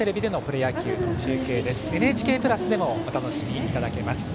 「ＮＨＫプラス」でもお楽しみいただけます。